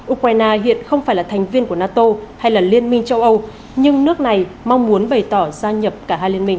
ukraine hiện không phải là thành viên của nato hay là liên minh châu âu nhưng nước này mong muốn bày tỏ gia nhập cả hai liên minh